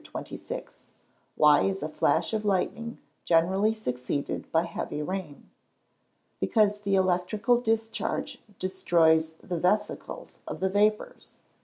Why is a flash of lightning generally succeeded by heavy rain? Because the electrical discharge destroys the vescicles of the vapours.